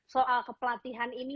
soal kepelatihan ini